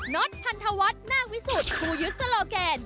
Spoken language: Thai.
น็อตพันธวัฒน์น่าวิสุธคูยุทธ์สโลแกน